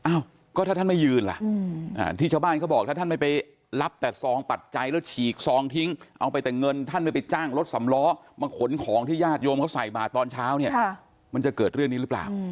อ้าวก็ถ้าท่านไม่ยืนล่ะที่ชาวบ้านเขาบอกถ้าท่านไม่ไปรับแต่ซองปัจจัยแล้วฉีกซองทิ้งเอาไปแต่เงินท่านไม่ไปจ้างรถสำล้อมาขนของที่ญาติโยมเขาใส่มาตอนเช้าเนี่ยมันจะเกิดเรื่องนี้หรือเปล่า